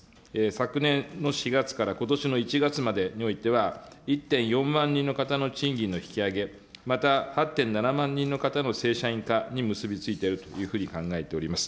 昨年の４月からことしの１月までにおいては、１．４万人の方の賃金の引き上げ、また、８．７万人の方の正社員化に結び付いているというふうに考えております。